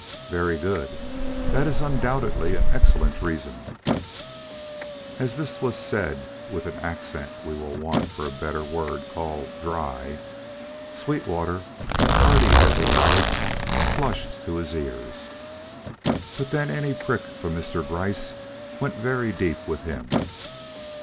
"Very good; that is undoubtedly an excellent reason." As this was said with an accent we will for want of a better word call dry, Sweetwater, hardy as he was, flushed to his ears. But then any prick from Mr. Gryce went very deep with him.